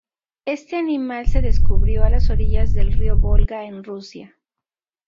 Este animal de descubrió a las orillas del río Volga en Rusia.